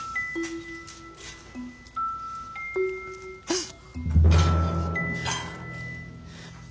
あっ！